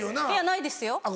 いやないですよ。